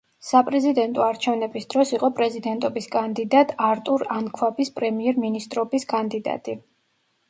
საპრეზიდენტო არჩევნების დროს იყო პრეზიდენტობის კანდიდატ არტურ ანქვაბის პრემიერ-მინისტრობის კანდიდატი.